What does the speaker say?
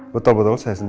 bukan bukan adik ini